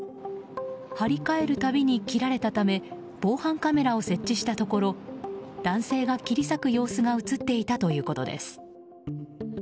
貼り替えるたびに切られたため防犯カメラを設置したところ男性が切り裂く様子が映っていたということです。